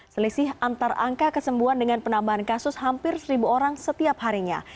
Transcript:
selisih antar angka kesembuhan dengan penambahan kasus hampir seribu orang setiap harinya